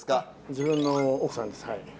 自分の奥さんです。